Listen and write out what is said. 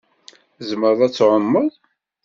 Tzemreḍ ad tɛummeḍ.